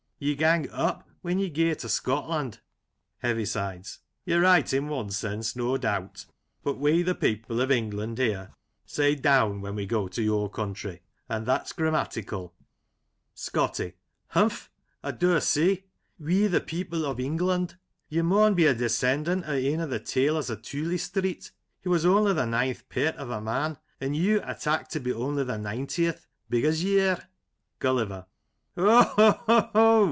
Ye gang up when you gae to Scotland Heavisides : You're right in one sense, no doubt ; but we, the people of England here, say down when we go to your country, and that's grammatical. ScoTTY : Humph ! I daur say. "We, the people of Eng land!" Ye maun be a descendant o' ane o' the tailors o' Tooley Street. He was only the ninth pairt o' a man, and you I tak to be only the nintieth — ^big as ye ir ! Gulliver : Ho ! ho ! ho